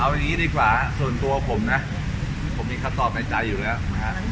เอาอย่างนี้ดีกว่าส่วนตัวผมนะผมมีข้อตอบในใจอยู่นะครับ